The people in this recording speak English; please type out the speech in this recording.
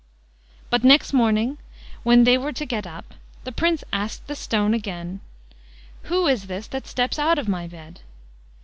But next morning, when they were to get up, the Prince asked the stone again: "Who is this that steps out of my bed?"